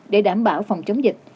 để đảm bảo phòng chống dịch